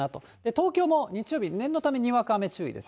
東京も日曜日、念のためにわか雨注意です。